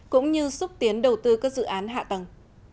cũng như xúc tiến đầu tư các dự án hạ tầng